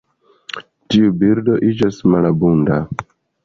Tiu birdo iĝas malabunda.